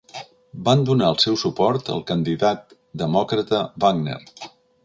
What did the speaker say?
Van donar el seu suport al candidat demòcrata Wagner.